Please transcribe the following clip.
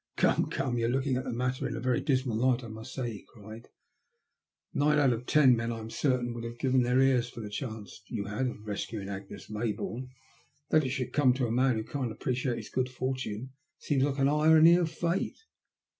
"Come, come, you're looking at the matter in a very dismal light, I must say," he cried. " Nine out A STEANGE COINCIDENCE. 129 of every ten men, I'm certain, would have given their ears for the chance you had of rescuing Agnes Maybourne. That it should have come to a man who can't appreciate his good fortune seems like the irony of Fate."